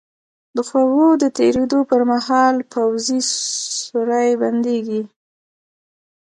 د خوړو د تېرېدو په مهال پوزې سوری بندېږي.